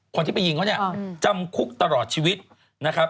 คนที่ไปยิงเขาเนี่ยจำคุกตลอดชีวิตนะครับ